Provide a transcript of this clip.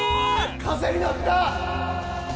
風に乗った！